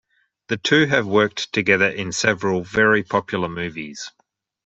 The two have worked together in several very popular movies.